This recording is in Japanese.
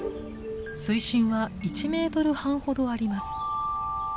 水深は１メートル半ほどあります。